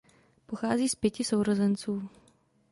Pochází z pěti sourozenců.